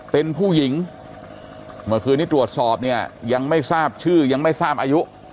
เป็นผู้หญิงเมื่อคืนนี้ตรวจสอบเนี่ยยังไม่ทราบชื่อยังไม่ทราบอายุ